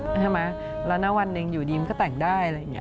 ใช่ไหมแล้วนะวันหนึ่งอยู่ดีมันก็แต่งได้อะไรอย่างนี้